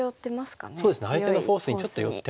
そうですね相手のフォースにちょっと寄ってますよね。